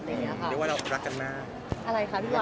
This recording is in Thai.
เรียกว่าเรารักกันมาก